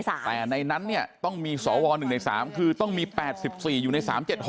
แต่ในนั้นเนี่ยต้องมีสว๑ใน๓คือต้องมี๘๔อยู่ใน๓๗๖